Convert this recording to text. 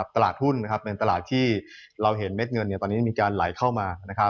ตลาดหุ้นเป็นตลาดที่เราเห็นเม็ดเงินตอนนี้มีการไหลเข้ามา